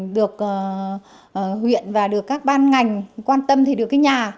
được huyện và được các ban ngành quan tâm thì được cái nhà